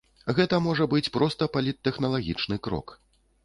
Гэта можа быць проста паліттэхналагічны крок.